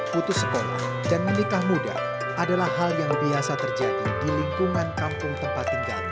putus sekolah dan menikah muda adalah hal yang biasa terjadi di lingkungan kampung tempat tinggalnya